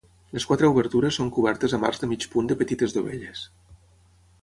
Les quatre obertures són cobertes amb arcs de mig punt de petites dovelles.